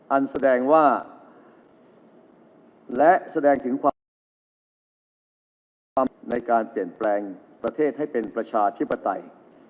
อันแสดงว่าและแสดงถึงความพร้อมในการเปลี่ยนแปลงประเทศให้เป็นประชาธิปไตย